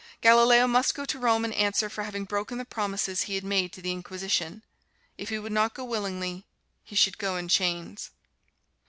Galileo must go to Rome and answer for having broken the promises he had made to the Inquisition. If he would not go willingly, he should go in chains.